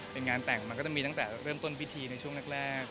เป็นงานแต่งมันก็จะมีตั้งแต่เริ่มต้นพิธีในช่วงแรก